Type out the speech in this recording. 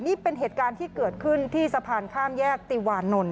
นี่เป็นเหตุการณ์ที่เกิดขึ้นที่สะพานข้ามแยกติวานนท